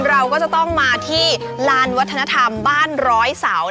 เราก็จะต้องมาที่ลานวัฒนธรรมบ้านร้อยเสา